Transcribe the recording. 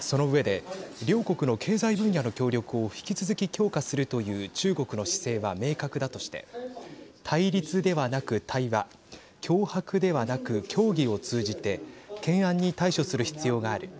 その上で両国の経済分野の協力を引き続き強化するという中国の姿勢は明確だとして対立ではなく対話脅迫ではなく協議を通じて懸案に対処する必要がある。